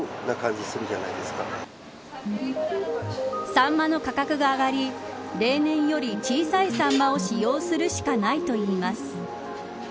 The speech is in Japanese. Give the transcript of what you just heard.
サンマの価格が上がり例年より小さいサンマを使用するしかないといいます。